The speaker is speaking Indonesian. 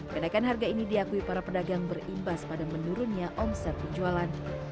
kenaikan harga ini diakui para pedagang berimbas pada menurunnya omset penjualan